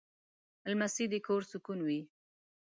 لمسی د کور سکون وي.